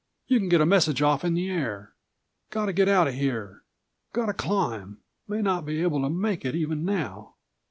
You can get a message off in the air. Gotta get out o' here. Gotta climb. May not be able to make it even now."